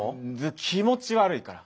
気持ち悪いから。